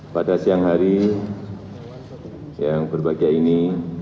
pada siang hari yang berbahagia ini